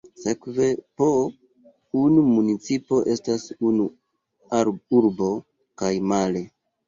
Sekve, po unu municipo estas unu urbo, kaj male.